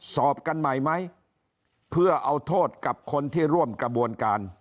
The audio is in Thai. สอบกันใหม่ไหมเพื่อเอาโทษกับคนที่ร่วมกระบวนการ